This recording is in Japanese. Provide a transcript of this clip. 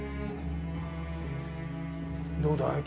どうだい？